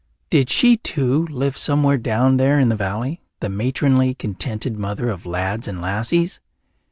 Did she too live somewhere down there in the valley, the matronly, contented mother of lads and lassies?